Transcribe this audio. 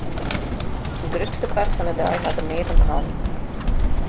It grutste part fan de dei hat er neat om hannen.